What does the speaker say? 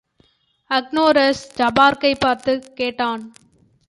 அக்ரோனோஸ், ஜபாரக்கைப் பார்த்துக் கேட்டான்.